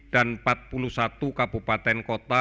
dan empat puluh satu kabupaten kota